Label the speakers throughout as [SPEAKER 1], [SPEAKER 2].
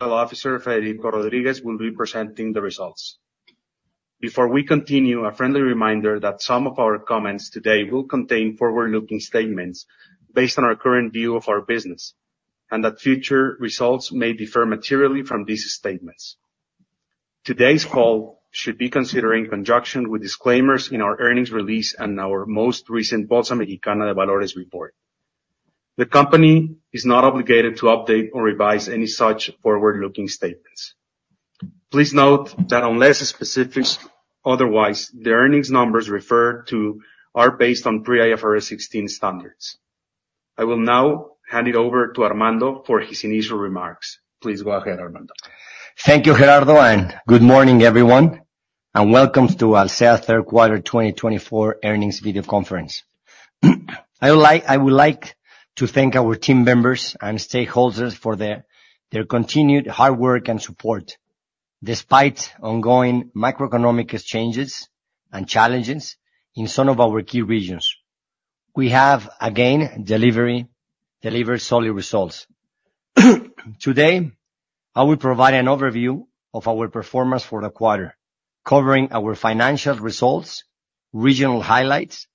[SPEAKER 1] CFO Federico Rodríguez will be presenting the results. Before we continue, a friendly reminder that some of our comments today will contain forward-looking statements based on our current view of our business, and that future results may differ materially from these statements. Today's call should be considered in conjunction with disclaimers in our earnings release and our most recent Bolsa Mexicana de Valores report. The company is not obligated to update or revise any such forward-looking statements. Please note that unless specified otherwise, the earnings numbers referred to are based on pre-IFRS 16 standards. I will now hand it over to Armando for his initial remarks. Please go ahead, Armando.
[SPEAKER 2] Thank you, Gerardo, and good morning, everyone, and welcome to Alsea's Q3 2024 earnings video conference. I would like to thank our team members and stakeholders for their continued hard work and support. Despite ongoing macroeconomic uncertainties and challenges in some of our key regions, we have again delivered solid results. Today, I will provide an overview of our performance for the quarter, covering our financial results, regional highlights,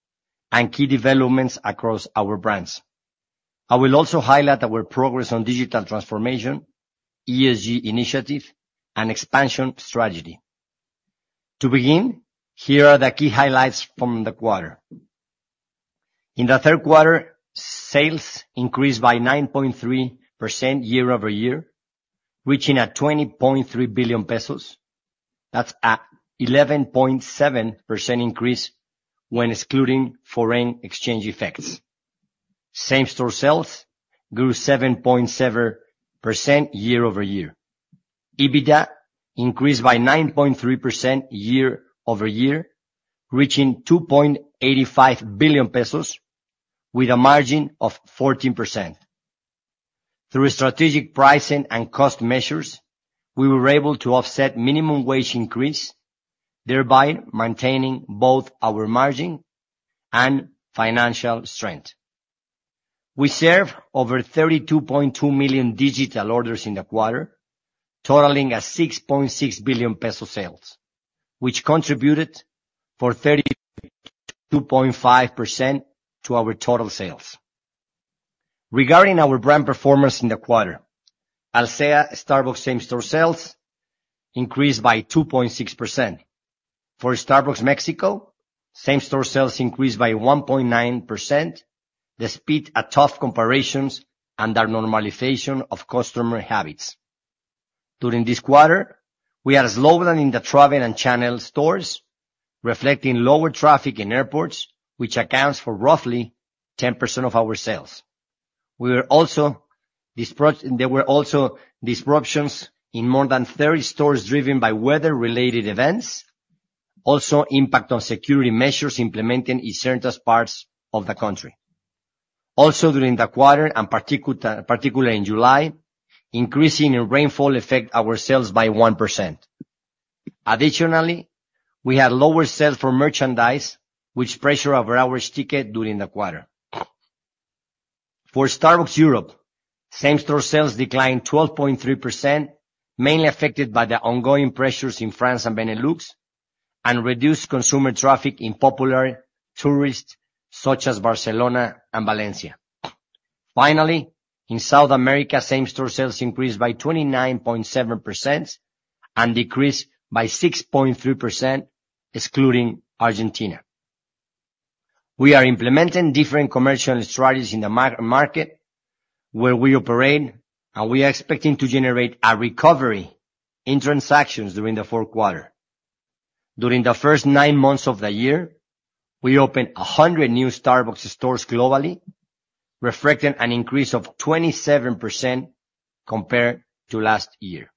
[SPEAKER 2] and key developments across our brands. I will also highlight our progress on digital transformation, ESG initiatives, and expansion strategy. To begin, here are the key highlights from the quarter. In the Q3, sales increased by 9.3% year-over-year, reaching 20.3 billion MXN. That's an 11.7% increase when excluding foreign exchange effects. Same-store sales grew 7.7% year-over-year. EBITDA increased by 9.3% year-over-year, reaching 2.85 billion pesos with a margin of 14%. Through strategic pricing and cost measures, we were able to offset minimum wage increase, thereby maintaining both our margin and financial strength. We served over 32.2 million digital orders in the quarter, totaling 6.6 billion peso sales, which contributed for 32.5% to our total sales. Regarding our brand performance in the quarter, Alsea, Starbucks same-store sales increased by 2.6%. For Starbucks Mexico, same-store sales increased by 1.9%, despite a tough comparisons and the normalization of customer habits. During this quarter, we are slower than in the travel channel stores, reflecting lower traffic in airports, which accounts for roughly 10% of our sales. There were also disruptions in more than 30 stores, driven by weather-related events, also impact on security measures implemented in certain parts of the country. Also, during the quarter, and particularly in July, increasing in rainfall affect our sales by 1%. Additionally, we had lower sales for merchandise, which pressured our average ticket during the quarter. For Starbucks Europe, same-store sales declined 12.3%, mainly affected by the ongoing pressures in France and Benelux, and reduced consumer traffic in popular tourists, such as Barcelona and Valencia. Finally, in South America, same-store sales increased by 29.7% and decreased by 6.3%, excluding Argentina. We are implementing different commercial strategies in the market where we operate, and we are expecting to generate a recovery in transactions during the Q4. During the first nine months of the year, we opened 100 new Starbucks stores globally, reflecting an increase of 27% compared to last year.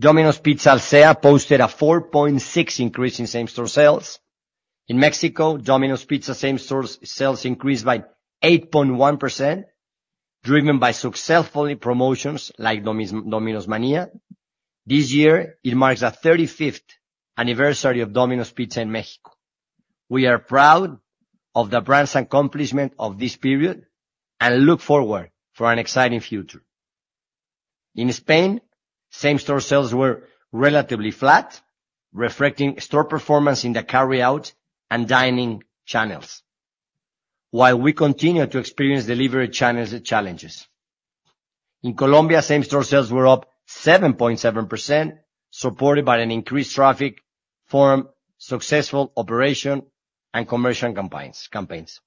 [SPEAKER 2] Domino's Pizza Alsea posted a 4.6% increase in same-store sales. In Mexico, Domino's Pizza same-store sales increased by 8.1%, driven by successful promotions like Domino's Manía. This year, it marks the thirty-fifth anniversary of Domino's Pizza in Mexico. We are proud of the brand's accomplishment of this period and look forward for an exciting future. In Spain, same-store sales were relatively flat, reflecting store performance in the carryout and dining channels, while we continue to experience delivery channels challenges. In Colombia, same-store sales were up 7.7%, supported by an increased traffic from successful operation and commercial campaigns.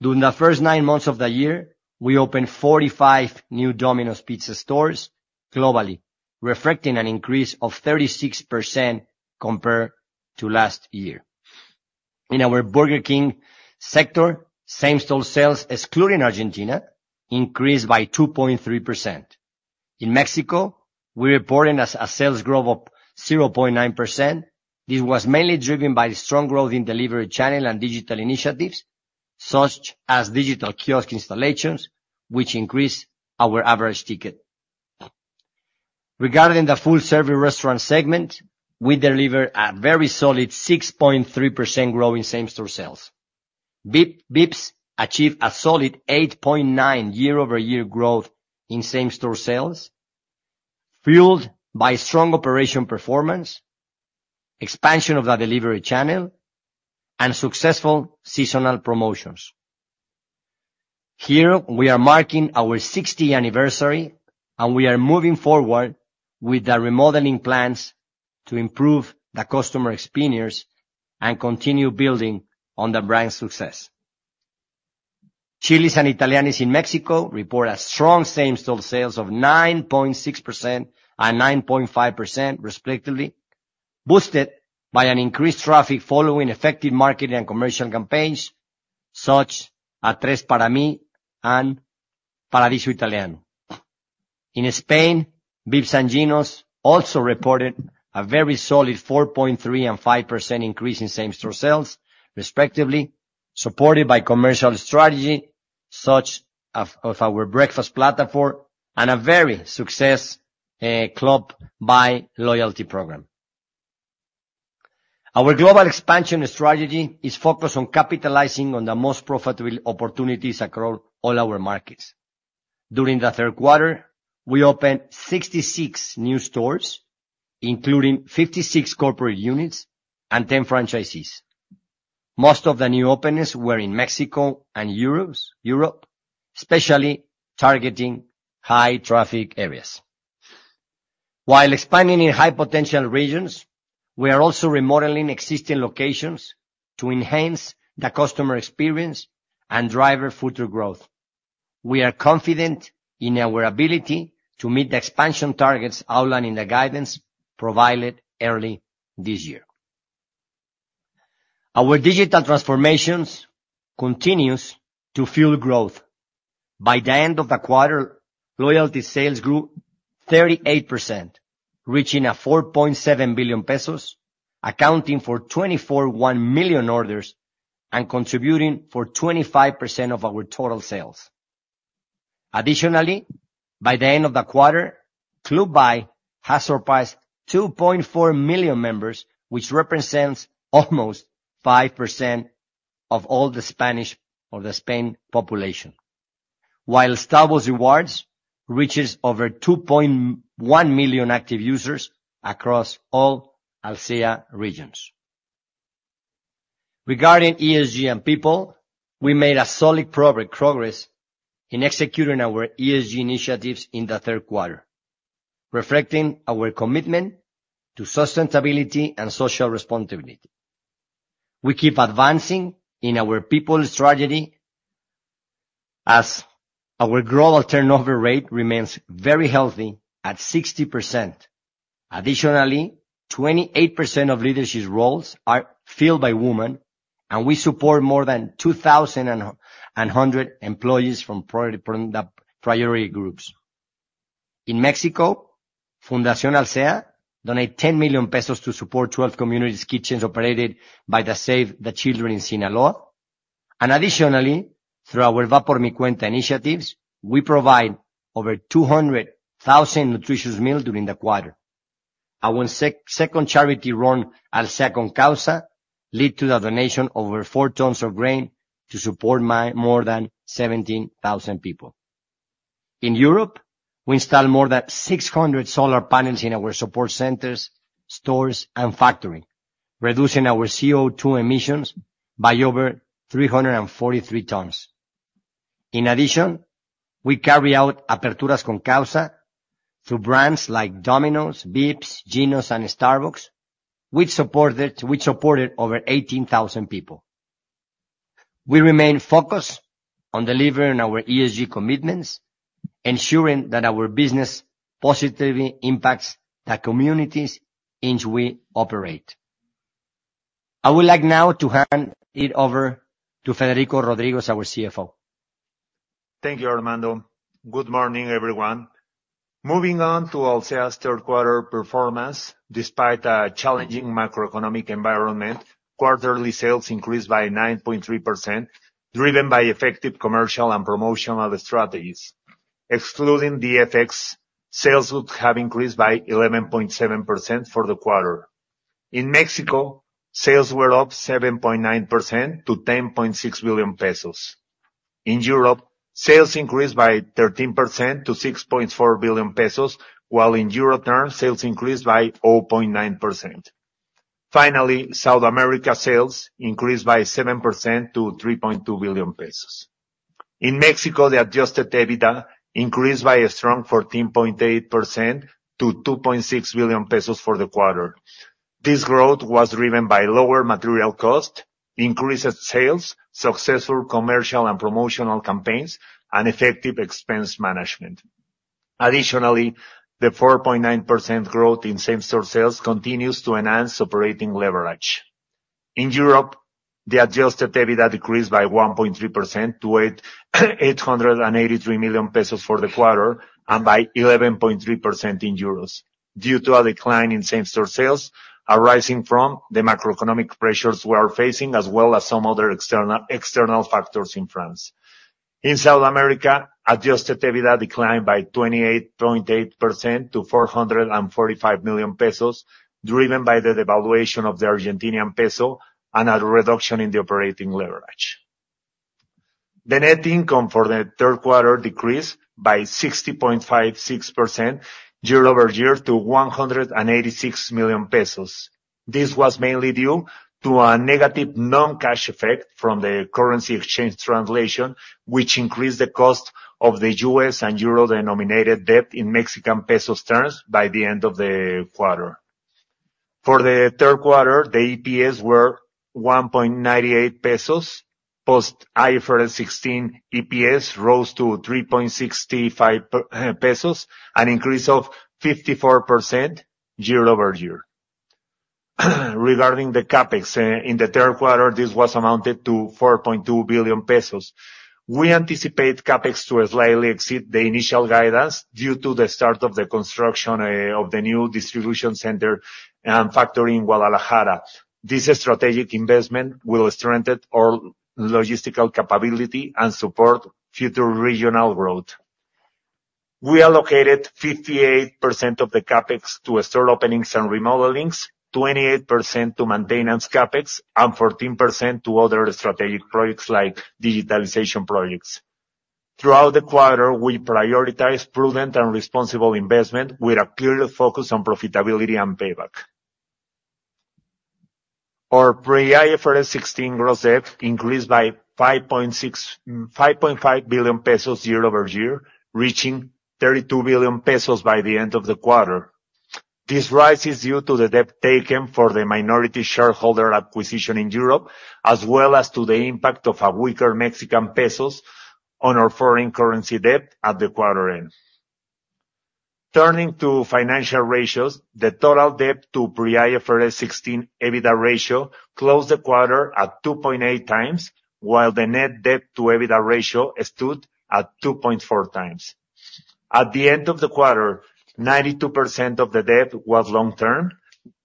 [SPEAKER 2] During the first nine months of the year, we opened 45 new Domino's Pizza stores globally, reflecting an increase of 36% compared to last year. In our Burger King sector, same-store sales, excluding Argentina, increased by 2.3%. In Mexico, we're reporting a sales growth of 0.9%. This was mainly driven by strong growth in delivery channel and digital initiatives, such as digital kiosk installations, which increased our average ticket. Regarding the full-service restaurant segment, we delivered a very solid 6.3% growth in same-store sales. Vips achieved a solid 8.9% year-over-year growth in same-store sales, fueled by strong operation performance, expansion of the delivery channel, and successful seasonal promotions. Here, we are marking our 60th anniversary, and we are moving forward with the remodeling plans to improve the customer experience and continue building on the brand's success. Chili's and Italianni's in Mexico report a strong same-store sales of 9.6% and 9.5% respectively, boosted by an increased traffic following effective marketing and commercial campaigns, such as Tres Para Mí and Paraíso Italiano. In Spain, Vips and Ginos also reported a very solid 4.3% and 5% increase in same-store sales, respectively, supported by commercial strategy, such as our breakfast platform and a very successful Club By loyalty program. Our global expansion strategy is focused on capitalizing on the most profitable opportunities across all our markets. During the Q3, we opened 66 new stores, including 56 corporate units and 10 franchisees. Most of the new openings were in Mexico and Europe, especially targeting high traffic areas. While expanding in high potential regions, we are also remodeling existing locations to enhance the customer experience and drive future growth. We are confident in our ability to meet the expansion targets outlined in the guidance provided early this year. Our digital transformations continues to fuel growth. By the end of the quarter, loyalty sales grew 38%, reaching 4.7 billion pesos, accounting for 24.1 million orders, and contributing for 25% of our total sales. Additionally, by the end of the quarter, Club By has surpassed 2.4 million members, which represents almost 5% of all the Spanish or the Spain population, while Starbucks Rewards reaches over 2.1 million active users across all Alsea regions. Regarding ESG and people, we made a solid progress in executing our ESG initiatives in the Q3, reflecting our commitment to sustainability and social responsibility. We keep advancing in our people strategy as our growth turnover rate remains very healthy at 60%. Additionally, 28% of leadership roles are filled by women, and we support more than 2,200 employees from the priority groups. In Mexico, Fundación Alsea donate 10 million pesos to support 12 community kitchens operated by the Save the Children in Sinaloa. Additionally, through our Va Por Mi Cuenta initiatives, we provide over 200,000 nutritious meals during the quarter. Our second charity run, Alsea Con Causa, lead to the donation over 4 tons of grain to support more than 17,000 people. In Europe, we install more than 600 solar panels in our support centers, stores, and factory, reducing our CO2 emissions by over 343 tons. In addition, we carry out Aperturas con Causa through brands like Domino's, Vips, Ginos, and Starbucks, which supported over 18,000 people. We remain focused on delivering our ESG commitments, ensuring that our business positively impacts the communities in which we operate. I would like now to hand it over to Federico Rodríguez, our CFO.
[SPEAKER 3] Thank you, Armando. Good morning, everyone. Moving on to Alsea's Q3 performance, despite a challenging macroeconomic environment, quarterly sales increased by 9.3%, driven by effective commercial and promotional strategies. Excluding the FX, sales would have increased by 11.7% for the quarter. In Mexico, sales were up 7.9% to 10.6 billion pesos. In Europe, sales increased by 13% to 6.4 billion pesos, while in euro terms, sales increased by 0.9%. Finally, South America sales increased by 7% to 3.2 billion pesos. In Mexico, the adjusted EBITDA increased by a strong 14.8% to 2.6 billion pesos for the quarter. This growth was driven by lower material costs, increased sales, successful commercial and promotional campaigns, and effective expense management. Additionally, the 4.9% growth in same-store sales continues to enhance operating leverage. In Europe, the adjusted EBITDA decreased by 1.3% to 883 million pesos for the quarter, and by 11.3% in euros, due to a decline in same-store sales arising from the macroeconomic pressures we are facing, as well as some other external factors in France. In South America, adjusted EBITDA declined by 28.8% to 445 million pesos, driven by the devaluation of the Argentine peso and a reduction in the operating leverage. The net income for the third quarter decreased by 60.56% year-over-year to 186 million pesos. This was mainly due to a negative non-cash effect from the currency exchange translation, which increased the cost of the U.S. and euro-denominated debt in Mexican pesos terms by the end of the quarter. For the Q3, the EPS were 1.98 pesos, post IFRS 16 EPS rose to 3.65 pesos, an increase of 54% year-over-year. Regarding the CapEx, in the Q3, this was amounted to 4.2 billion pesos. We anticipate CapEx to slightly exceed the initial guidance due to the start of the construction, of the new distribution center and factory in Guadalajara. This strategic investment will strengthen our logistical capability and support future regional growth. We allocated 58% of the CapEx to store openings and remodelings, 28% to maintenance CapEx, and 14% to other strategic projects like digitalization projects. Throughout the quarter, we prioritized prudent and responsible investment with a clear focus on profitability and payback. Our pre-IFRS 16 gross debt increased by 5.6-5.5 billion pesos year-over-year, reaching 32 billion pesos by the end of the quarter. This rise is due to the debt taken for the minority shareholder acquisition in Europe, as well as to the impact of a weaker Mexican peso on our foreign currency debt at the quarter end. Turning to financial ratios, the total debt to pre-IFRS 16 EBITDA ratio closed the quarter at 2.8x, while the net debt to EBITDA ratio stood at 2.4x. At the end of the quarter, 92% of the debt was long term,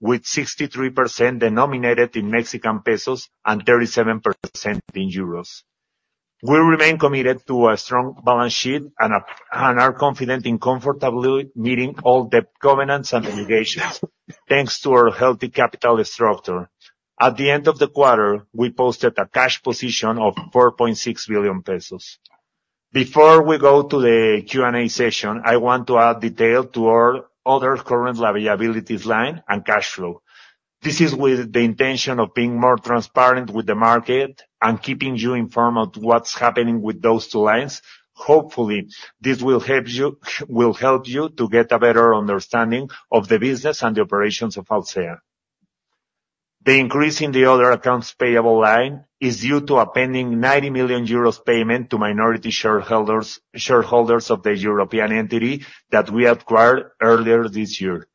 [SPEAKER 3] with 63% denominated in Mexican pesos and 37% in euros. We remain committed to a strong balance sheet and are confident in comfortably meeting all debt covenants and obligations, thanks to our healthy capital structure. At the end of the quarter, we posted a cash position of 4.6 billion pesos. Before we go to the Q&A session, I want to add detail to our other current liabilities line and cash flow. This is with the intention of being more transparent with the market and keeping you informed of what's happening with those two lines. Hopefully, this will help you to get a better understanding of the business and the operations of Alsea. The increase in the other accounts payable line is due to a pending 90 million euros payment to minority shareholders of the European entity that we acquired earlier this year.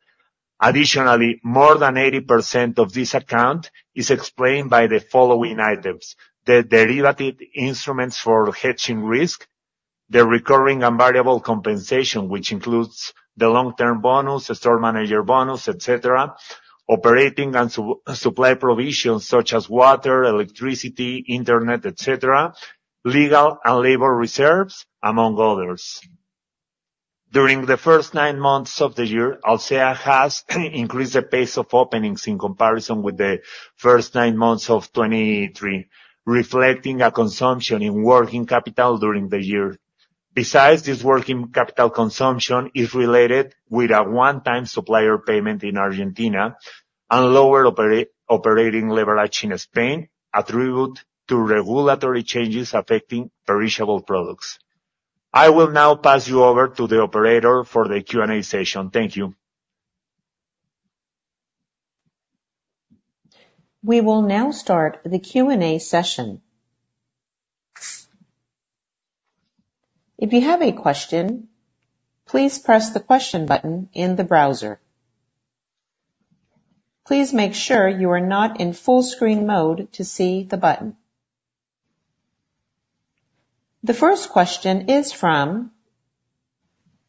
[SPEAKER 3] Additionally, more than 80% of this account is explained by the following items: the derivative instruments for hedging risk, the recurring and variable compensation, which includes the long-term bonus, the store manager bonus, et cetera, operating and supply provisions such as water, electricity, internet, et cetera, legal and labor reserves, among others. During the first nine months of the year, Alsea has increased the pace of openings in comparison with the first nine months of 2023, reflecting a consumption in working capital during the year. Besides, this working capital consumption is related with a one-time supplier payment in Argentina and lower operating leverage in Spain, attributed to regulatory changes affecting perishable products. I will now pass you over to the operator for the Q&A session. Thank you.
[SPEAKER 4] We will now start the Q&A session. If you have a question, please press the Question button in the browser. Please make sure you are not in full screen mode to see the button. The first question is from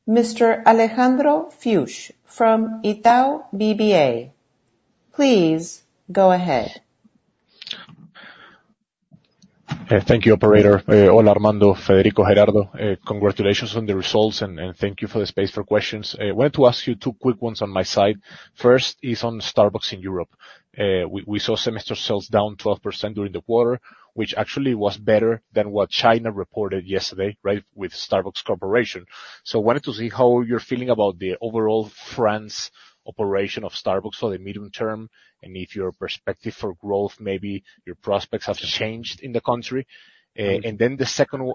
[SPEAKER 4] Mr. Alejandro Fuchs from Itaú BBA. Please go ahead.
[SPEAKER 5] Thank you, operator. Hello, Armando, Federico, Gerardo, congratulations on the results, and thank you for the space for questions. I wanted to ask you two quick ones on my side. First is on Starbucks in Europe. We saw semester sales down 12% during the quarter, which actually was better than what China reported yesterday, right? With Starbucks Corporation. So wanted to see how you're feeling about the overall France operation of Starbucks for the medium term, and if your perspective for growth, maybe your prospects have changed in the country. And then the second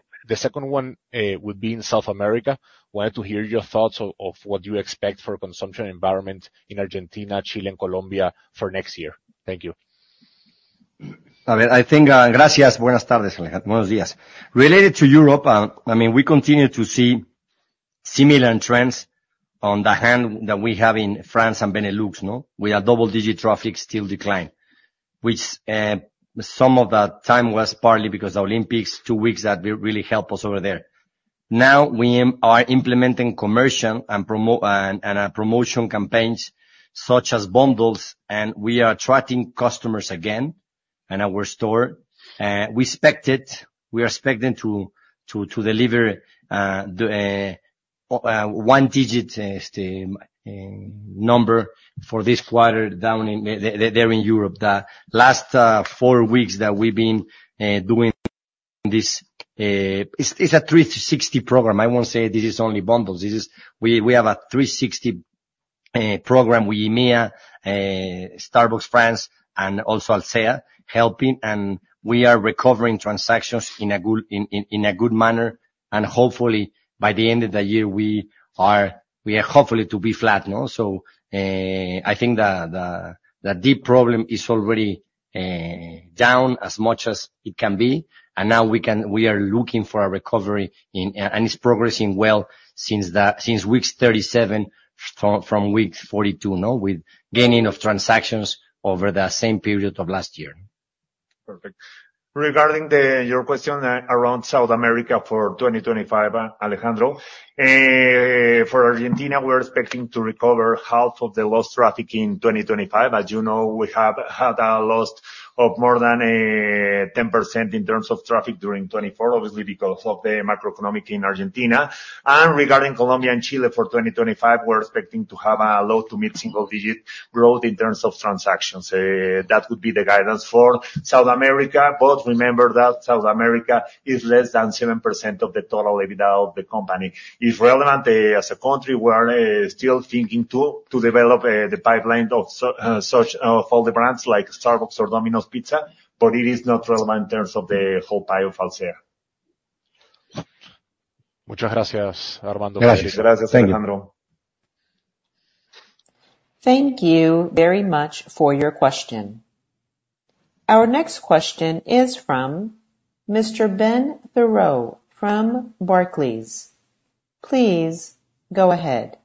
[SPEAKER 5] one would be in South America. Wanted to hear your thoughts of what you expect for consumption environment in Argentina, Chile, and Colombia for next year. Thank you.
[SPEAKER 2] I mean, I think, gracias. Related to Europe, I mean, we continue to see similar trends on the other hand that we have in France and Benelux, no? We are double-digit traffic still decline, which, some of the time was partly because of Olympics, two weeks that really helped us over there.... Now we are implementing commercial and promo and promotion campaigns, such as bundles, and we are attracting customers again in our store. We expected, we are expecting to deliver the one-digit same-store number for this quarter down in Europe. The last four weeks that we've been doing this... It's a 360 program. I won't say this is only bundles. This is we have a 360 program with EMEA, Starbucks France, and also Alsea helping, and we are recovering transactions in a good manner, and hopefully by the end of the year, we are hopefully to be flat, you know? I think the deep problem is already down as much as it can be, and now we are looking for a recovery in. It's progressing well since weeks 37, from week 42, no, with gaining of transactions over the same period of last year.
[SPEAKER 3] Perfect. Regarding the your question around South America for 2025, Alejandro, for Argentina, we're expecting to recover half of the lost traffic in 2025. As you know, we have had a loss of more than 10% in terms of traffic during 2024, obviously because of the macroeconomic in Argentina. And regarding Colombia and Chile for twenty twenty-five, we're expecting to have a low- to mid-single-digit growth in terms of transactions. That would be the guidance for South America. But remember that South America is less than 7% of the total EBITDA of the company. It's relevant as a country, we are still thinking to develop the pipeline of such of all the brands like Starbucks or Domino's Pizza, but it is not relevant in terms of the whole pie of Alsea.
[SPEAKER 5] Muchas gracias, Armando.
[SPEAKER 2] Gracias.
[SPEAKER 3] Gracias, Alejandro.
[SPEAKER 4] Thank you very much for your question. Our next question is from Mr. Ben Theurer from Barclays. Please go ahead.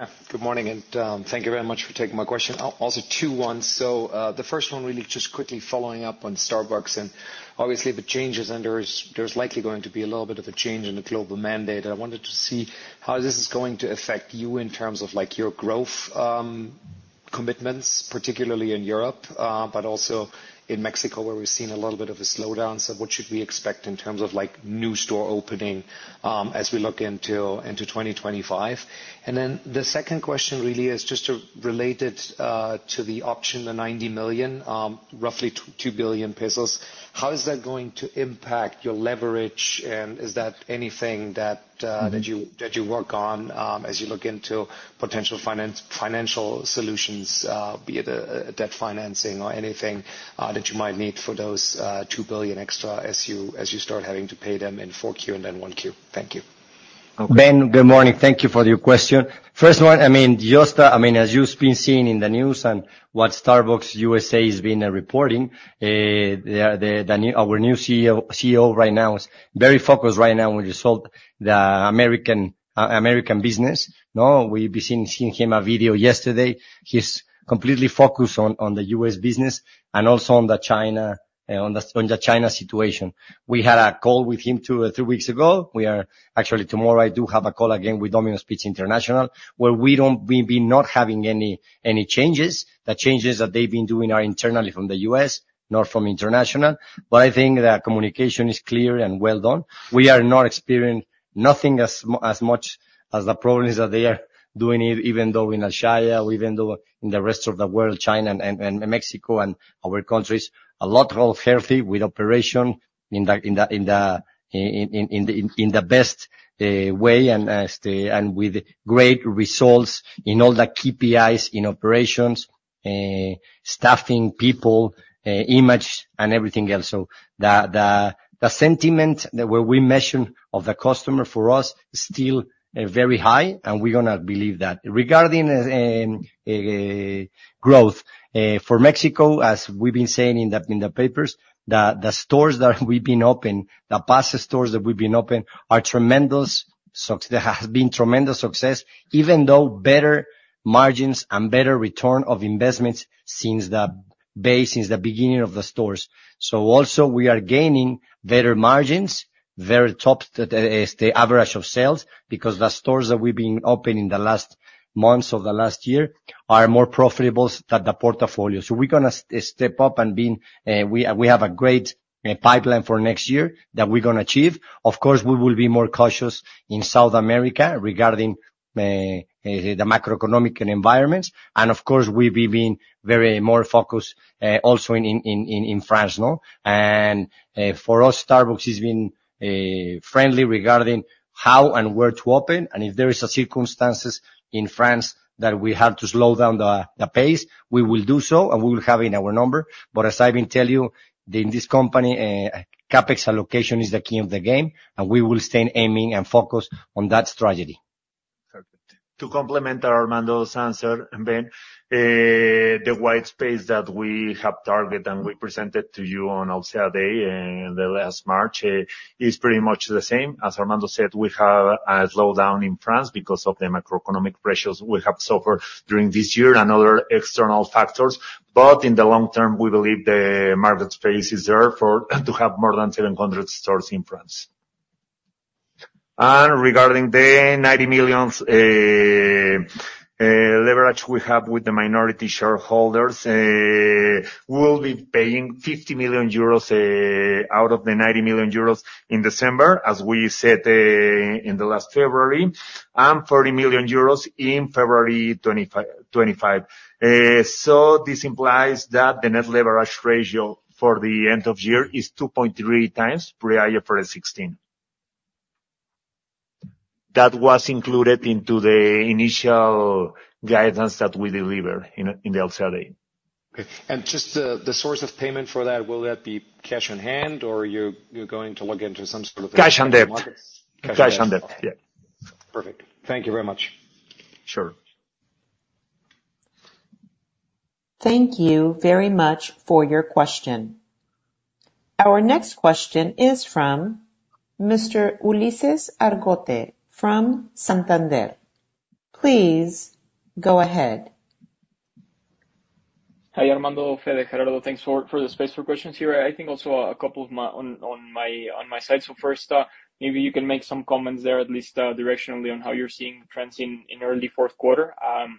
[SPEAKER 6] Yeah. Good morning, and thank you very much for taking my question. Also two ones. So the first one really just quickly following up on Starbucks, and obviously the changes, and there's likely going to be a little bit of a change in the global mandate. I wanted to see how this is going to affect you in terms of, like, your growth commitments, particularly in Europe, but also in Mexico, where we've seen a little bit of a slowdown. So what should we expect in terms of, like, new store opening as we look into 2025? And then the second question really is just to relate it to the option, the 90 million, roughly 2 billion pesos. How is that going to impact your leverage, and is that anything that you work on, as you look into potential financial solutions, be it a debt financing or anything, that you might need for those two billion extra as you start having to pay them in Q4 and then Q1? Thank you.
[SPEAKER 2] Ben, good morning. Thank you for your question. First one, I mean, just, as you've been seeing in the news and what Starbucks USA has been reporting, the new, our new CEO right now is very focused right now on resolve the American, American business, no? We've been seeing him a video yesterday. He's completely focused on the U.S. business and also on the China situation. We had a call with him two or three weeks ago. Actually, tomorrow, I do have a call again with Domino's Pizza International, where we don't, we've been not having any changes. The changes that they've been doing are internally from the U.S., not from international. But I think the communication is clear and well done. We are not experiencing nothing as much as the problems that they are doing, even though in Asia, or even though in the rest of the world, China and Mexico and other countries. A lot all healthy with operation in the best way and stay and with great results in all the KPIs, in operations, staffing, people, image, and everything else. So the sentiment that we measure of the customer for us is still very high, and we're gonna believe that. Regarding growth for Mexico, as we've been saying in the papers, the stores that we've been open, the past stores that we've been open are tremendous suc- they have been tremendous success, even though better margins and better return of investments since the base, since the beginning of the stores. So also we are gaining better margins, very top, the average of sales, because the stores that we've been open in the last months of the last year are more profitables than the portfolio. So we're gonna s- step up and been, we have a great pipeline for next year that we're gonna achieve. Of course, we will be more cautious in South America regarding the macroeconomic environments, and of course, we've been very more focused also in France, no? For us, Starbucks has been friendly regarding how and where to open, and if there is a circumstance in France that we have to slow down the pace, we will do so, and we will have in our number. But as I've been telling you, in this company, CapEx allocation is the key of the game, and we will stay aiming and focused on that strategy.
[SPEAKER 3] Perfect. To complement Armando's answer, and Ben, the white space that we have targeted and we presented to you on Alsea Day, the last March, is pretty much the same. As Armando said, we have a slowdown in France because of the macroeconomic pressures we have suffered during this year and other external factors. But in the long term, we believe the market space is there for, to have more than seven hundred stores in France. And regarding the 90 million leverage we have with the minority shareholders, we'll be paying 50 million euros out of the 90 million euros in December, as we said, in the last February, and 40 million euros in February 2025. So this implies that the net leverage ratio for the end of the year is 2.3x prior to IFRS 16. That was included into the initial guidance that we deliver in the.
[SPEAKER 6] Okay. And just, the source of payment for that, will that be cash on hand, or you're going to look into some sort of-
[SPEAKER 3] Cash on hand.
[SPEAKER 6] Cash on hand.
[SPEAKER 3] Cash on hand. Yeah.
[SPEAKER 6] Perfect. Thank you very much.
[SPEAKER 3] Sure.
[SPEAKER 4] Thank you very much for your question. Our next question is from Mr. Ulises Argote from Santander. Please go ahead.
[SPEAKER 7] Hi, Armando, Fede, Gerardo. Thanks for the space for questions here. I think also a couple of my on my side. First, maybe you can make some comments there, at least, directionally, on how you're seeing trends in early Q4.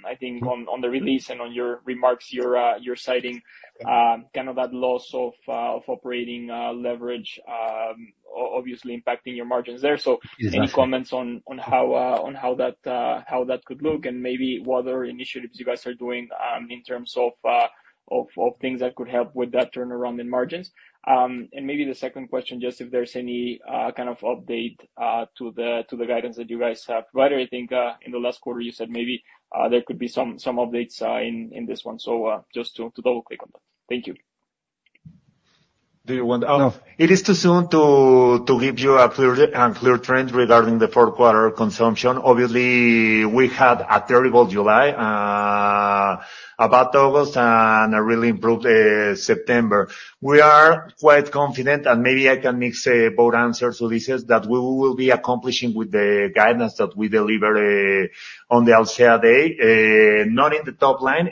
[SPEAKER 7] I think on the release and on your remarks, you're citing kind of that loss of operating leverage obviously impacting your margins there.
[SPEAKER 3] Exactly.
[SPEAKER 7] So any comments on how that could look, and maybe what other initiatives you guys are doing in terms of things that could help with that turnaround in margins? And maybe the second question, just if there's any kind of update to the guidance that you guys have. But I think in the last quarter, you said maybe there could be some updates in this one, so just to double-click on that. Thank you.
[SPEAKER 3] Do you want...?
[SPEAKER 1] No.
[SPEAKER 3] It is too soon to give you a clear trend regarding the Q4 consumption. Obviously, we had a terrible July, a bad August, and a really improved September. We are quite confident, and maybe I can mix both answers, so this is that we will be accomplishing with the guidance that we deliver on the day, not in the top line,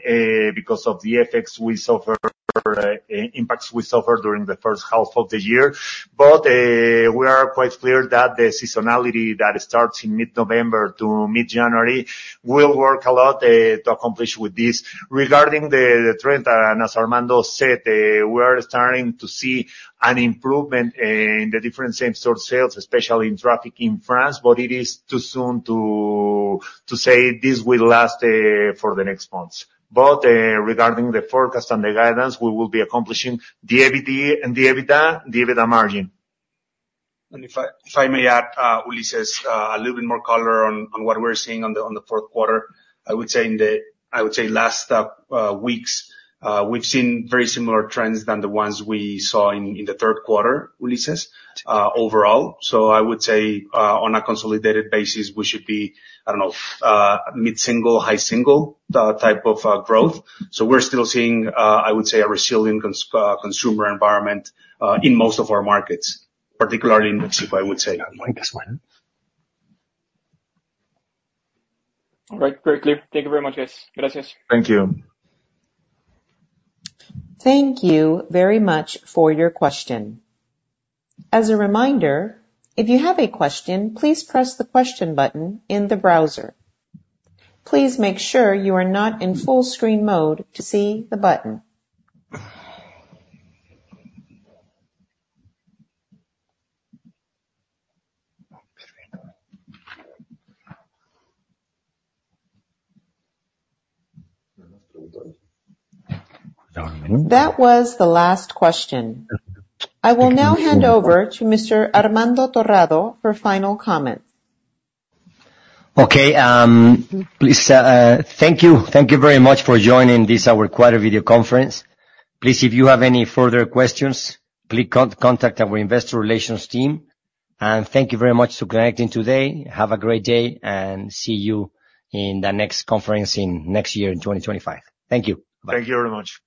[SPEAKER 3] because of the effects we suffer, impacts we suffer during the H1 of the year. But we are quite clear that the seasonality that starts in mid-November to mid-January will work a lot to accomplish with this. Regarding the trend, and as Armando said, we are starting to see an improvement in the different same store sales, especially in traffic in France, but it is too soon to say this will last for the next months. But, regarding the forecast and the guidance, we will be accomplishing the EBITDA and the EBITDA, the EBITDA margin.
[SPEAKER 1] If I may add, Ulises, a little bit more color on what we're seeing on the Q4. I would say in the last weeks we've seen very similar trends than the ones we saw in the Q3, Ulises, overall. So I would say on a consolidated basis, we should be, I don't know, mid-single, high single type of growth. So we're still seeing, I would say, a resilient consumer environment in most of our markets, particularly in Mexico, I would say, in this one.
[SPEAKER 7] All right. Very clear. Thank you very much, guys. Gracias.
[SPEAKER 3] Thank you.
[SPEAKER 4] Thank you very much for your question. As a reminder, if you have a question, please press the Question button in the browser. Please make sure you are not in full screen mode to see the button. That was the last question. I will now hand over to Mr. Armando Torrado for final comments.
[SPEAKER 2] Okay, please, thank you, thank you very much for joining this, our quarterly video conference. Please, if you have any further questions, please contact our investor relations team. And thank you very much for connecting today. Have a great day, and see you in the next conference next year, in twenty twenty-five. Thank you. Bye.
[SPEAKER 1] Thank you very much.